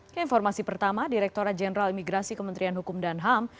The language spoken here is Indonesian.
keinformasi pertama direkturat jenderal imigrasi kementerian hukum dan ham